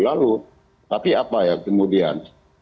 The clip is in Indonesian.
lalu tapi apa ya kemudian